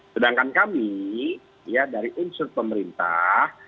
sedangkan kami ya dari unsur pemerintah